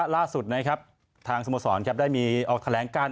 ล่าสุดทางสมสรได้ออกแถลงกล้าน